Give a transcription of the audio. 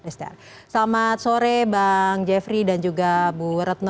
selamat sore bang jeffrey dan juga bu retno